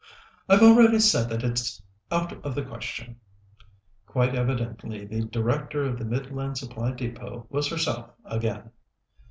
"I've already said that it's out of the question." Quite evidently, the Director of the Midland Supply Depôt was herself again.